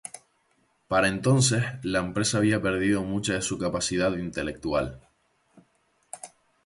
Para entonces, la empresa había perdido mucha de su capacidad intelectual.